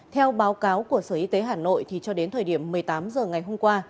theo báo cáo của sở y tế hà nội thì cho đến thời điểm một mươi tám h ngày hôm qua